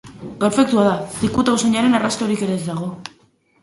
Perfektua da, zikuta usainaren arrastorik ere ez dago.